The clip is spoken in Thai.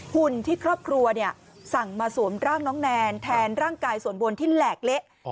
หุ่นที่ครอบครัวสั่งมาสวมร่างน้องแนนแทนร่างกายส่วนบนที่แหลกเละ